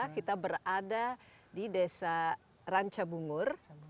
kita berada di desa rancabungur